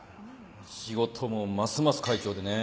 仕事もますます快調でね。